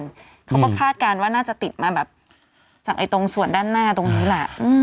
เขาก็คาดการณ์ว่าน่าจะติดมาแบบจากตรงส่วนด้านหน้าตรงนี้แหละ